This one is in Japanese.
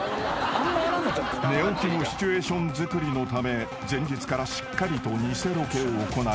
［寝起きのシチュエーションづくりのため前日からしっかりとニセロケを行い］